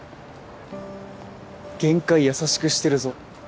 限界優しくしてるぞ